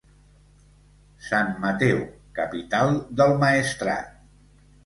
Sant Mateu, capital del Maestrat.